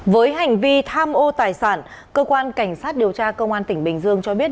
với hành vi tham ô tài sản cơ quan cảnh sát điều tra công an tỉnh bình dương cho biết